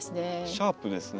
シャープですね。